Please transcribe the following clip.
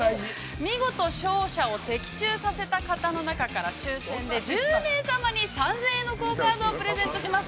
見事勝者を的中させた方の中から抽せんで、１０名様に３０００円のクオカードをプレゼントします。